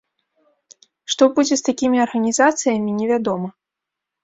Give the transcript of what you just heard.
Што будзе з такімі арганізацыямі невядома.